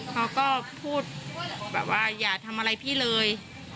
เขาก็พูดแบบว่าอย่าทำอะไรพี่เลย